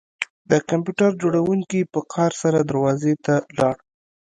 د کمپیوټر جوړونکي په قهر سره دروازې ته لاړ